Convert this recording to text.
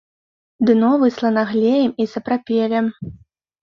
Дно выслана глеем і сапрапелем.